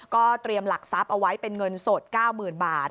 ก็เตรียมหลักทรัพย์เอาไว้เป็นเงินสด๙๐๐๐บาท